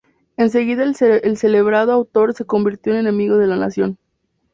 En seguida el celebrado autor se convirtió en enemigo de la nación.